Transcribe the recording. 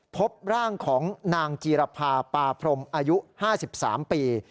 พบร่างของนางจีรภาปาพรมอายุ๕๓ปี